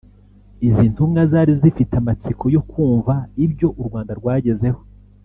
Izi ntumwa zari zifite amatsiko yo kumva ibyo u Rwanda rwagezeho